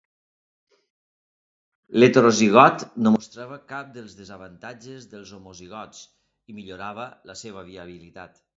L'heterozigot no mostrava cap dels desavantatges dels homozigots, i millorava la seva viabilitat.